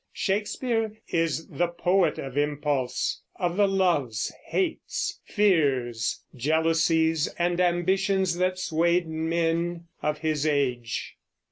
Shakespeare is the poet of impulse, of the loves, hates, fears, jealousies, and ambitions that swayed the men of his age.